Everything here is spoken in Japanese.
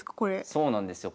そうなんですよ。